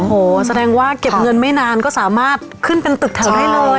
โอ้โหแสดงว่าเก็บเงินไม่นานก็สามารถขึ้นเป็นตึกแถวได้เลย